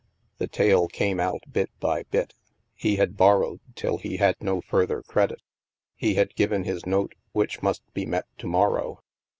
The tale came out bit by bit He had borrowed till he had no further credit. He had given his note which must be met to morrow.